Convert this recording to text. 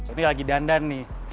ini lagi dandan nih